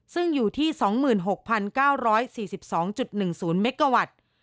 ซึ่งอยู่ที่๒๖๙๔๒๑๐เมกาวัตต์